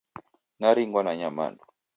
Naringwa ni nyamandu.